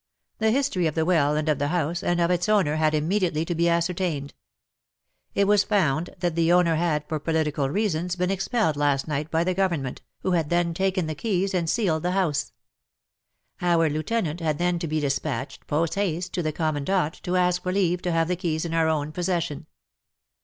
The history of the well and of the house and of its owner had immediately to be ascertained. It was found that the owner had for political reasons been expelled last night by the Government, who had then taken the keys and sealed the WAR AND WOMEN 139 house. Our lieutenant had then to be dispatched, post haste, to the Commandant to ask for leave to have the keys in our own possession.